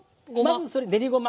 まずそれ練りごま。